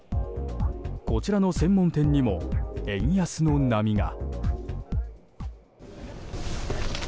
こちらの専門店にも円安の波が。